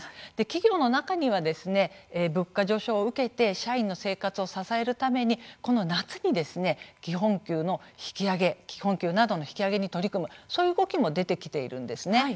企業の中には物価上昇を受けて社員の生活を支えるためにこの夏に基本給などの引き上げに取り組む、そういう動きも出てきているんですね。